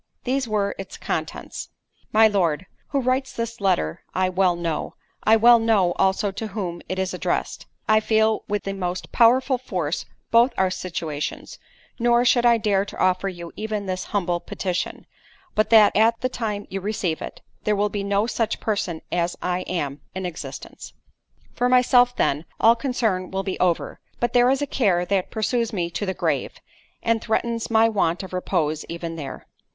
These were its contents: "My Lord, "Who writes this letter I well know—I well know also to whom it is addressed—I feel with the most powerful force both our situations; nor should I dare to offer you even this humble petition, but that at the time you receive it, there will be no such person as I am, in existence. "For myself, then, all concern will be over—but there is a care that pursues me to the grave, and threatens my want of repose even there.